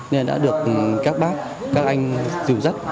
nên đã được các bác các anh dùng dắt